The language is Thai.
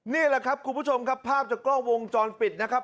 นี่ว่าครับผ้าจากกล้องวงจรปิดนะครับ